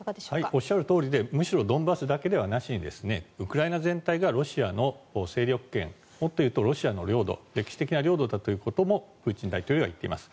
おっしゃるとおりでむしろドンバスだけでなくウクライナ全体がロシアの勢力圏もっというとロシアの領土歴史的な領土だということもプーチンは言っています。